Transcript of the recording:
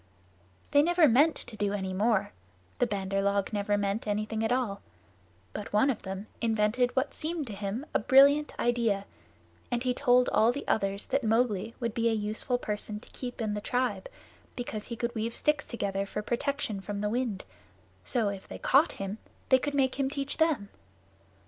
They never meant to do any more the Bandar log never mean anything at all; but one of them invented what seemed to him a brilliant idea, and he told all the others that Mowgli would be a useful person to keep in the tribe, because he could weave sticks together for protection from the wind; so, if they caught him, they could make him teach them.